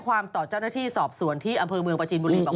วันนี้สวัสดีวันอังคารนี่